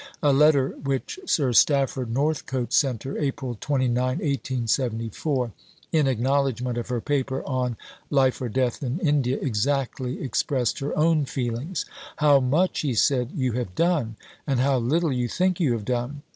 A letter which Sir Stafford Northcote sent her (April 29, 1874), in acknowledgment of her Paper on "Life or Death in India," exactly expressed her own feelings. "How much," he said, "you have done! and how little you think you have done!